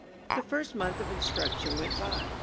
The first month of instruction went by.